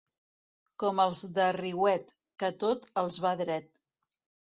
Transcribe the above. Com els de Riuet, que tot els va dret.